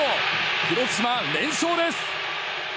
広島、連勝です！